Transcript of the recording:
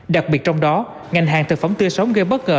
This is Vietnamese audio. đặc biệt trong đó ngành hàng thực phẩm tươi sống gây bất ngờ